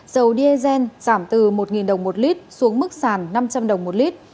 dầu diesel giảm từ một đồng một lít xuống mức sàn năm trăm linh đồng một lít